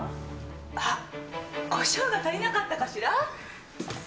あらコショウが足りなかったかしら。